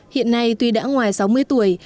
hiện nay tuy đã ngoài sáu mươi tuổi